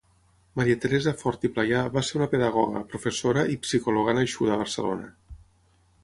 Maria Teresa Fort i Playà va ser una pedagoga, professora i psicòloga nascuda a Barcelona.